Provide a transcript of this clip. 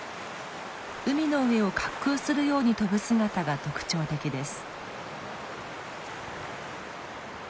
海の上を滑空するように飛ぶ姿が特徴的です。